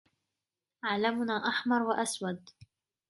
علمنا أحمر و أسود.